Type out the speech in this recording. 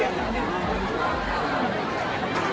การรับความรักมันเป็นอย่างไร